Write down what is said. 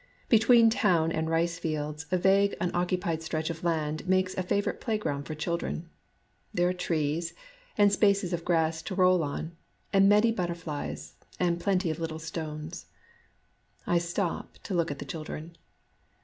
Between town and rice fields a vague unoccupied stretch of land makes a favorite playground for children. There are trees, and spaces of grass to roll on, and many but terflies, and plenty of little stones. I stop to look at the children.